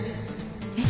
えっ！？